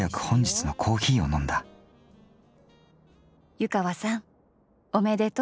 湯川さんおめでとう。